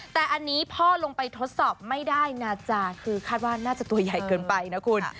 แต่อันนี้พ่อลงไปทดสอบไม่ได้นะจ๊ะคือคาดว่าน่าจะตัวใหญ่เกินไปนะคุณ